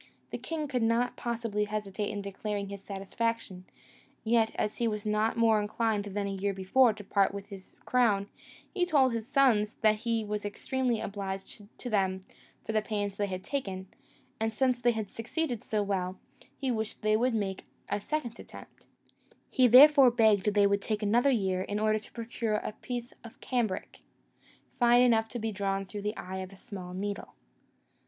The king could not possibly hesitate in declaring his satisfaction; yet, as he was not more inclined than the year before to part with his crown, he told his sons that he was extremely obliged to them for the pains they had taken: and since they had succeeded so well, he wished they would make a second attempt; he therefore begged they would take another year in order to procure a piece of cambric, fine enough to be drawn through the eye of a small needle.